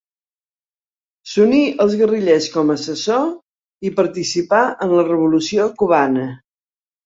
S'uní als guerrillers com a assessor i participà en la Revolució Cubana.